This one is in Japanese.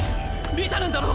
リタなんだろ？